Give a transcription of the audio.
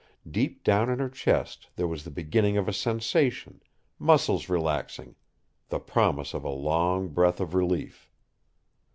Deep down in her chest there was the beginning of a sensation, muscles relaxing, the promise of a long breath of relief.